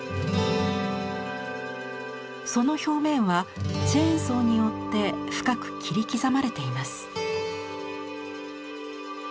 その表面はチェーンソーによって深く切り刻まれています。